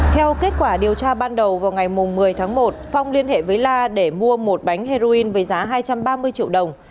theo kết quả điều tra ban đầu vào ngày một mươi tháng một phong liên hệ với la để mua một bánh heroin với giá hai trăm ba mươi triệu đồng